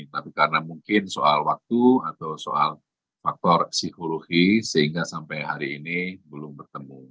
tapi karena mungkin soal waktu atau soal faktor psikologis sehingga sampai hari ini belum bertemu